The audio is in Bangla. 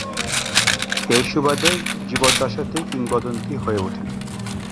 এর সুবাদে জীবদ্দশাতেই কিংবদন্তি হয়ে ওঠেন।